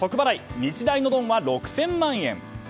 日大のドンは６０００万円。